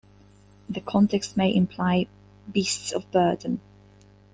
The context may imply beasts of burden.